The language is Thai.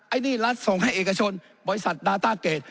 อันนี้รัฐส่งให้เอกชนบริษัทดาต้าเกรด